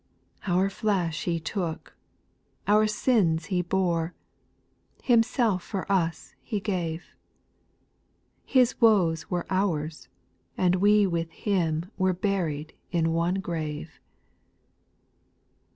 5. Our flesh He took, our sins He bore, Himself for us He gave ; His woes were our's, and we with Him Were buried in one grave.